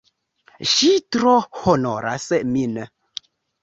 Ŝi tro honoras min!